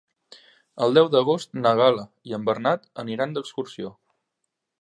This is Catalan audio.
El deu d'agost na Gal·la i en Bernat aniran d'excursió.